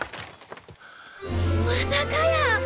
まさかやー！